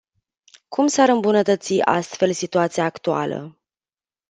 Cum s-ar îmbunătăți astfel situația actuală?